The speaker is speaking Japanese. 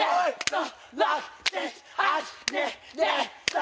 ３！